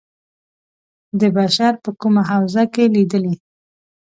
د بشر په کومه حوزه کې لېدلي.